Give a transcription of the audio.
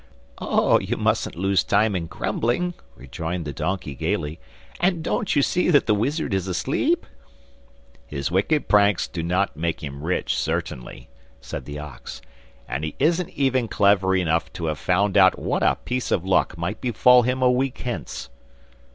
'Oh, you mustn't lose time in grumbling,' rejoined the donkey gaily, 'and don't you see that the wizard is asleep?' 'His wicked pranks do not make him rich, certainly,' said the ox, 'and he isn't even clever enough to have found out what a piece of luck might befall him a week hence.